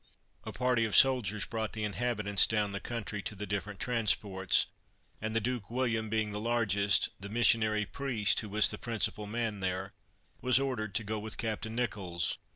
A party of soldiers brought the inhabitants down the country to the different transports, and the Duke William, being the largest, the missionary priest, who was the principal man there, was ordered to go with Captain Nicholls.